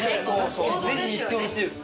ぜひいってほしいです。